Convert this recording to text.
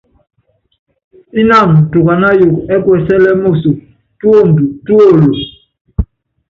Ínanɔ tukaná ayuukɔ ɛ́ kuɛsɛ́lɛ́ moso, túopdo túolo.